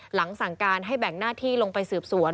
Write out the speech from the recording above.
หลังสั่งการให้แบ่งหน้าที่ลงไปสืบสวน